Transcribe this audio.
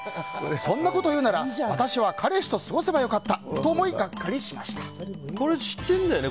そんなこと言うなら私は彼氏と過ごせば良かったと思いこれ、知ってるんだよね。